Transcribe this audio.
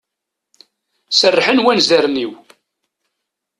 Serrḥen wanzaren-iw.